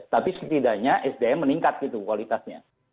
tapi setidaknya sdm meningkat gitu kualitasnya